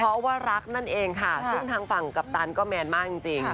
เพราะว่ารักนั่นเองค่ะซึ่งทางฝั่งกัปตันก็แมนมากจริง